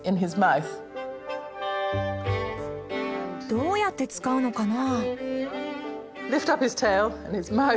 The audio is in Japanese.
どうやって使うのかな？